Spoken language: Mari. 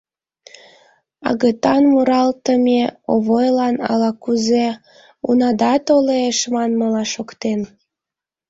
Агытан муралтыме Овойлан ала-кузе «унада-а толе-еш!» манмыла шоктен.